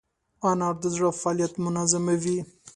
انار د زړه فعالیت منظموي.